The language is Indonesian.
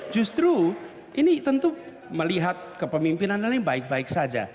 justru ini tentu melihat kepemimpinan lain baik baik saja